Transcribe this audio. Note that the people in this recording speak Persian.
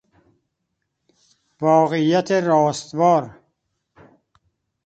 واقعیت راستوار